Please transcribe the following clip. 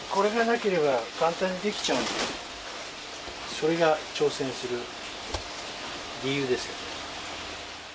それが挑戦する理由ですよね。